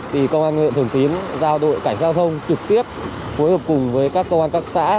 thì công an huyện thường tín giao đội cảnh giao thông trực tiếp phối hợp cùng với các công an các xã